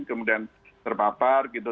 kemudian terpapar gitu